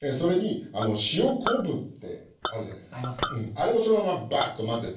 あれをそのままバーッと混ぜて。